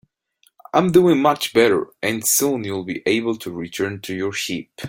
I'm doing much better, and soon you'll be able to return to your sheep.